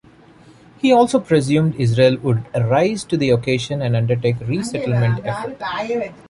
He also presumed Israel would rise to the occasion and undertake a resettlement effort.